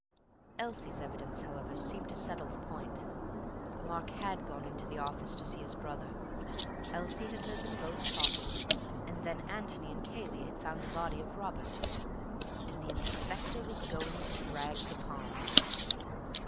Elsie's evidence, however, seemed to settle the point. Mark had gone into the office to see his brother; Elsie had heard them both talking; and then Antony and Cayley had found the body of Robert.... and the Inspector was going to drag the pond.